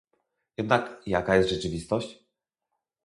Jednak jaka jest rzeczywistość?